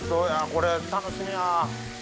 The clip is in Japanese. これ楽しみや。